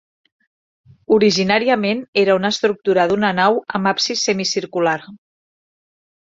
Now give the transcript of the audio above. Originàriament era una estructura d'una nau amb absis semicircular.